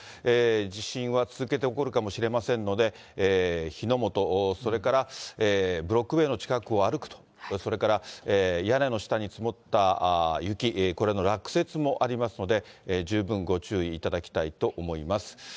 地震は続けて起こるかもしれませんので、火の元、それからブロック塀の近くを歩くと、屋根の下に積もった雪、これの落雪もありますので、十分ご注意いただきたいと思います。